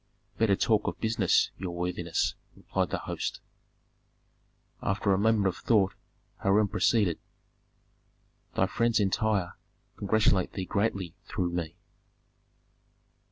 "Better talk of business, your worthinesses," replied the host. After a moment of thought Hiram proceeded, "Thy friends in Tyre congratulate thee greatly through me."